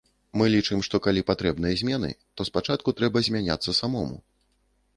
Мы лічым, што калі патрэбныя змены, то спачатку трэба змяняцца самому.